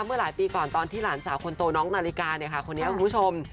เมื่อหลายปีก่อนตอนที่หลานสาวคนโตน้องนาวิกาคนนี้ครับคุณผู้ชม